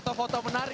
selamat tahun baru